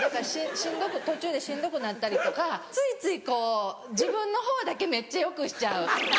しんどく途中でしんどくなったりとかついついこう自分のほうだけめっちゃよくしちゃう。